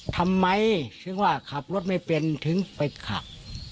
ทำไมถึงว่าขับรถไม่เป็นถึงไปขับ